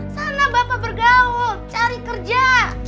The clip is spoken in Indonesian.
sana bapak bergaul cari kerja